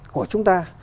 của chúng ta